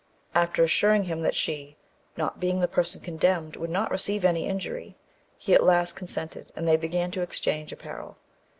After assuring him that she, not being the person condemned, would not receive any injury, he at last consented, and they began to exchange apparel.